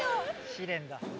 試練だ。